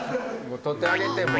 撮ってあげてもう。